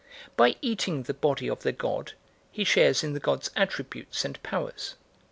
By eating the body of the god he shares in the god's attributes and powers.